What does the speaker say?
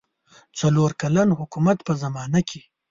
څلور کلن حکومت په زمانه کې.